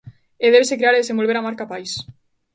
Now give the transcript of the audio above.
E débese crear e desenvolver a marca país.